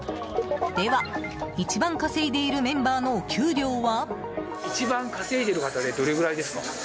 では、一番稼いでいるメンバーのお給料は？